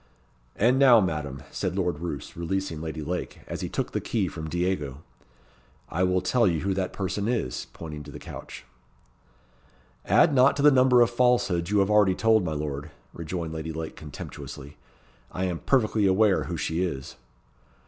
"And now, Madam," said Lord Roos, releasing Lady Lake, as he took the key from Diego, "I will tell you who that person is," pointing to the couch. "Add not to the number of falsehoods you have already told, my lord," rejoined Lady Lake, contemptuously. "I am perfectly aware who she is."